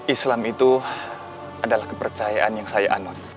islam itu adalah kepercayaan yang saya anut